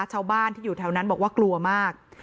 ชาวบ้านที่อยู่แถวนั้นบอกว่ากลัวมาก